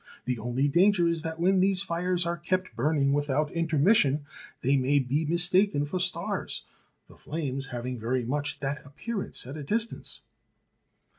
The only danger is that when these fires are kept burning without intermission, they may be mistaken for stars, the flames having very much that appearance at a distance.